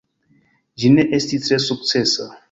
Ĝi ne estis tre sukcesa.